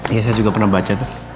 iya saya juga pernah baca tuh